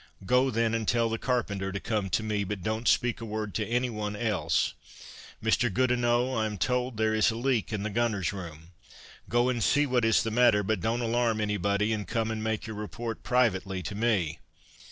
"Go, then, and tell the carpenter to come to me, but don't speak a word to any one else." "Mr. Goodinoh, I am told there is a leak in the gunner's room; go and see what is the matter, but don't alarm any body, and come and make your report privately to me."